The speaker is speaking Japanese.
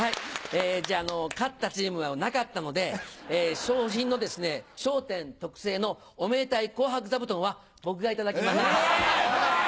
じゃ勝ったチームはなかったので賞品の笑点特製のおめでたい紅白座布団は僕が頂きます。